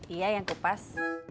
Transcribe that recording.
iya yang kupas